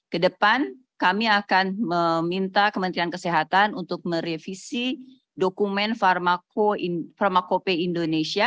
ke depan kami akan meminta kementerian kesehatan untuk merevisi dokumen pharmacope indonesia